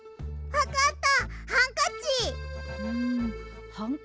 わかった！